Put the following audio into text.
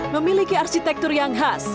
memiliki arsitektur yang khas